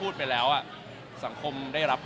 คือแฟนคลับเขามีเด็กเยอะด้วย